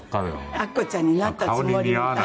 アッコちゃんになったつもりみたい。